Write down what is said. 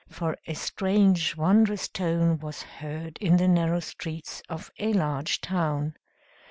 For a strange wondrous tone was heard in the narrow streets of a large town.